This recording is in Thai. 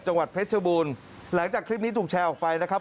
จังหวัดเพชรบูรณ์หลังจากคลิปนี้ถูกแชร์ออกไปนะครับ